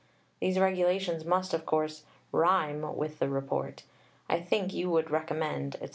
These Regulations must, of course, rhyme with the Report. I think you would recommend, etc.